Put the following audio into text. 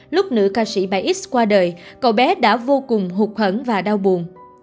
lúc nữ ca sĩ bài x qua đời cậu bé đã vô cùng hụt hẳn và đau buồn